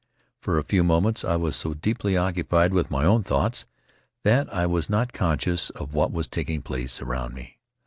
For a few moments I was so deeply occupied with my own thoughts that I was not conscious of what was taking place around me.